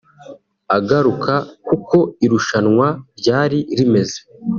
Agaruka kuko irushanwa ryari rimeze